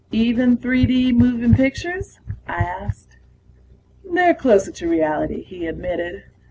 "Even 3 D moving pictures?" I asked. "They're closer to reality," he admitted.